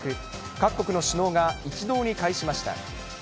各国の首脳が一堂に会しました。